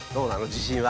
自信は。